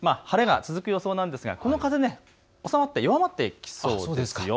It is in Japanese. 晴れが続く予想ですが、この風収まって弱まってきそうです。